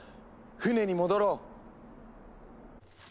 船に戻ろう！